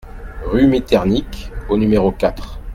Rue Miternique au numéro quatre